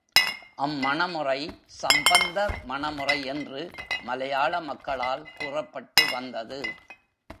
அம் மண முறை, சம்பந்த மண முறை என்று மலையாள மக்களால் கூறப்பட்டு வந்தது.